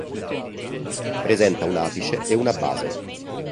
Presenta un apice e una base.